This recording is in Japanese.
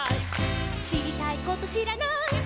「しりたいことしらない」